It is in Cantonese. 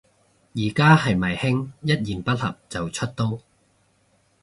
而家係咪興一言不合就出刀